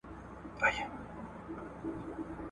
یا دي ولولم د میني زر لیکونه ,